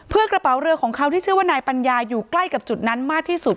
เพื่อกระเป๋าเรือของเขาที่ชื่อว่านายปัญญาอยู่ใกล้กับจุดนั้นมากที่สุด